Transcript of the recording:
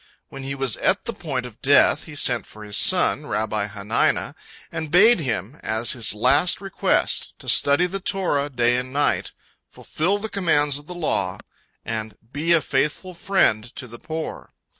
When he was at the point of death, he sent for his son, Rabbi Hanina, and bade him, as his last request, to study the Torah day and night, fulfil the commands of the law, and be a faithful friend to the poor.